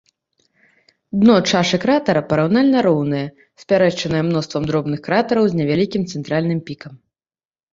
Дно чашы кратара параўнальна роўнае, спярэшчаная мноствам дробных кратараў, з невялікім цэнтральным пікам.